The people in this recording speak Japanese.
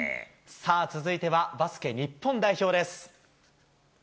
続いては、バスケ日本代表です。